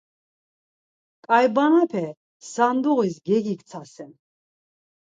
Ǩaybanape sanduğis gegiktsasen.